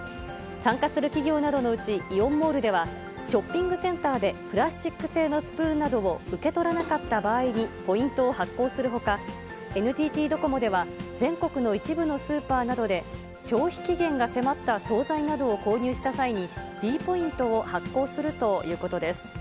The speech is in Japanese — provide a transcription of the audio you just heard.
参加する企業などのうちイオンモールでは、ショッピングセンターでプラスチック製のスプーンなどを受け取らなかった場合にポイントを発行するほか、ＮＴＴドコモでは、全国の一部のスーパーなどで、消費期限が迫った総菜などを購入した際に、ｄポイントを発行するということです。